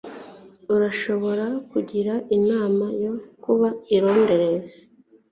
Urashobora kungira inama yo kuba i Londres?